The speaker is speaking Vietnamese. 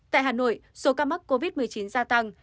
tại hà nội số ca mắc covid một mươi chín gia tăng